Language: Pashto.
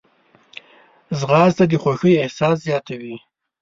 ځغاسته د خوښۍ احساس زیاتوي